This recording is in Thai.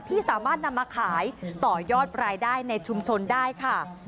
ที่สามารถนำมาขายต่อยอดรายได้ในชุมชนได้ค่ะ